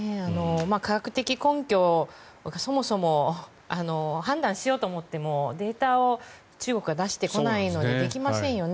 科学的根拠がそもそも判断しようと思ってもデータを中国が出してこないのでできませんよね。